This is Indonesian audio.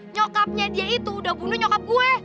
nyokapnya dia itu udah bunuh nyokap gue